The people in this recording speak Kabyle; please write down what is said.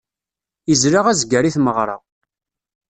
Izla azger i tmeɣra.